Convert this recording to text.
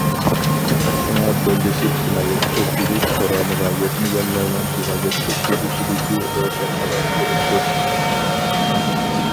شۇڭا بىرلىشىپ جىنايەت ئۆتكۈزۈش قۇرامىغا يەتمىگەنلەرنىڭ جىنايەت ئۆتكۈزۈشىدىكى روشەن ئالاھىدىلىكتۇر.